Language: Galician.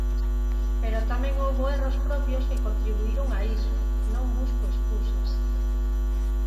Pero tamén houbo erros propios que contribuíron a iso, non busco escusas.